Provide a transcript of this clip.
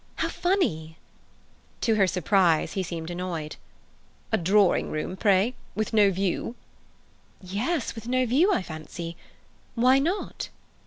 How funny!" To her surprise, he seemed annoyed. "A drawing room, pray? With no view?" "Yes, with no view, I fancy. Why not?"